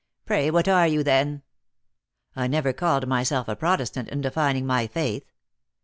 Pray what are you then ?"" I never called myself a Protestant in defining my faith."